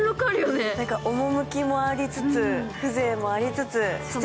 赴きもありつつ、風情もありつつ。